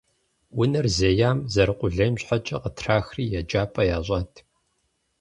Унэр зеям, зэрыкъулейм щхьэкӏэ, къытрахри еджапӏэ ящӏат.